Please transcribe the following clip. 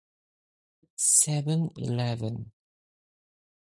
Aside from this, however, "membership" of the New Generation is a blurred line.